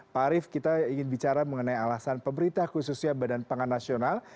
pak arief kita ingin bicara mengenai alasan pemerintah khususnya badan pangan nasional